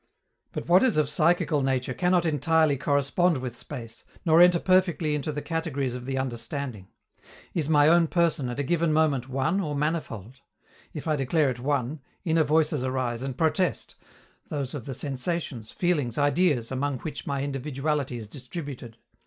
But what is of psychical nature cannot entirely correspond with space, nor enter perfectly into the categories of the understanding. Is my own person, at a given moment, one or manifold? If I declare it one, inner voices arise and protest those of the sensations, feelings, ideas, among which my individuality is distributed.